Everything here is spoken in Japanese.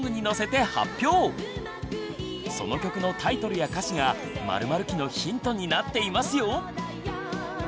その曲のタイトルや歌詞が○○期のヒントになっていますよ！